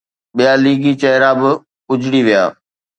ٻيا ليگي چهرا به اجڙي ويا.